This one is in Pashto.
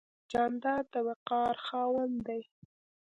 جانداد د وقار خاوند دی.